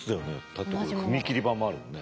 だって踏み切り板もあるもんね。